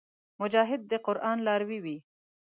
مجاهد د قران لاروي وي.